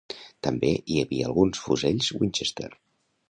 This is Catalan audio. També hi havia alguns fusells Winchester.